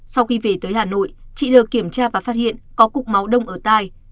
sau khi về tới hà nội chị được kiểm tra và phát hiện có cục máu đông ở tai